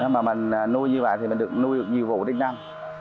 mà mình nuôi như vậy thì mình được nuôi được nhiều vụ đi năm